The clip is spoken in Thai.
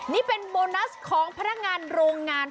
นี่เป็นโบนัสของพนักงานโรงงาน